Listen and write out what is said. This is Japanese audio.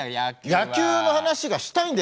野球の話がしたいんだ！